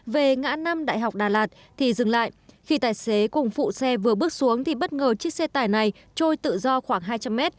về ngã năm đại học đà lạt thì dừng lại khi tài xế cùng phụ xe vừa bước xuống thì bất ngờ chiếc xe tải này trôi tự do khoảng hai trăm linh m